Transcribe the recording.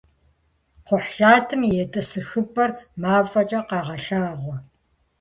Кхъухьлъатэм и етӏысэхыпӏэр мафӏэкӏэ къагъэлъагъуэ.